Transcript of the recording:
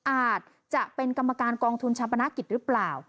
อาจจะเป็นกรรมการกองทุนชรรพนักกิจรึเปล่า